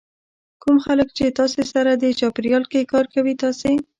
کوم خلک کوم چې تاسې سره دې چاپېریال کې کار کوي تاسې